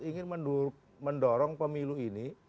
ingin mendorong pemilu ini